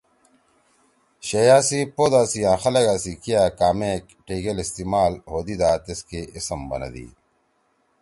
شیئیا سی پودا سی آں خلگا سی کیا کامے ٹِگیل استعمال ہودیِدا تیس کے اسم بنَدی۔